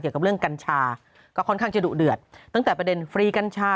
เกี่ยวกับเรื่องกัญชาก็ค่อนข้างจะดุเดือดตั้งแต่ประเด็นฟรีกัญชา